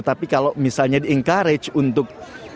tapi kalau misalnya di encourage untuk